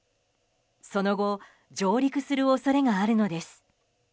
その後上陸する恐れがあるのです。